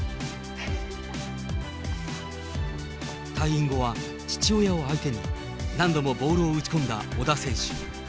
退院後は、父親を相手に、何度もボールを打ち込んだ小田選手。